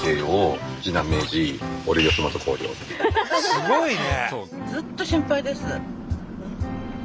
すごいね。